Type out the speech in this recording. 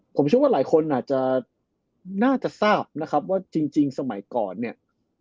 ผมเชื่อว่าหลายคนอาจจะน่าจะทราบนะครับว่าจริงสมัยก่อนเนี่ย